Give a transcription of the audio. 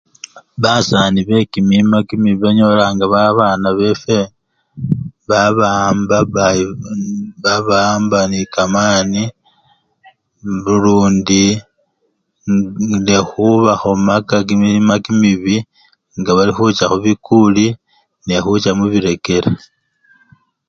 Basani bekimima kimibi banyolanga babana befwe babawamba bayi! u! u!, babawamba nekamani mbu nalundi nende khubakhomaka kimima kimibi ngabalikhucha mubikuli namwe mubirekere.